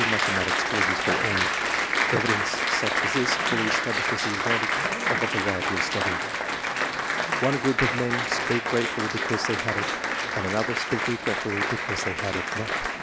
[chap. mathematics to a useful end.'' Evidence such as this, fully establishes the advantage of a variety of study. One group of men speak grate fully because they had it, and another speak regretfully because they had it not.